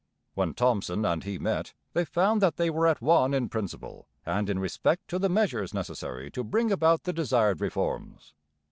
When Thomson and he met, they found that they were at one in principle and in respect to the measures necessary to bring about the desired reforms.